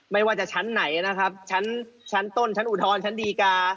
ไม่ว่าจะชั้นไหนนะครับชั้นต้นชั้นอุทธรณ์ชั้นดีการ